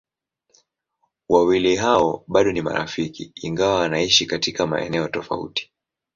Wawili hao bado ni marafiki ingawa wanaishi katika maeneo tofauti.